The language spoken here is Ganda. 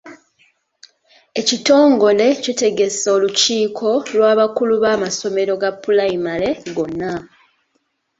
Ekitongole kitegese olukiiko lw'abakulu b'amasomero ga pulayimale gonna.